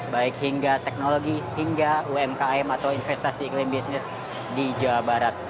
baik hingga teknologi hingga umkm atau investasi iklim bisnis di jawa barat